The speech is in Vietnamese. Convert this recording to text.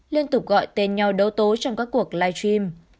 liên tục gọi tên nhau đấu tố trong các cuộc live stream